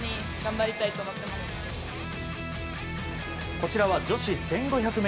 こちらは女子１５００ｍ。